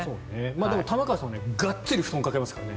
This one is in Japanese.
でも、玉川さんはがっつり布団をかけますからね。